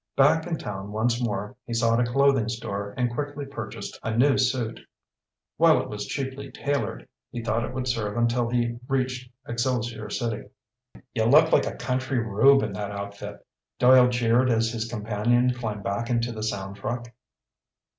Back in town once more, he sought a clothing store and quickly purchased a new suit. While it was cheaply tailored, he thought it would serve until he reached Excelsior City. "You look like a country rube in that outfit," Doyle jeered as his companion climbed back into the sound truck.